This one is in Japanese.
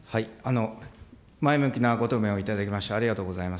前向きなご答弁をいただきましてありがとうございます。